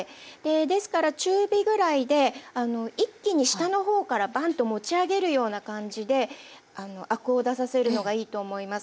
ですから中火ぐらいで一気に下の方からバンッと持ち上げるような感じでアクを出させるのがいいと思います。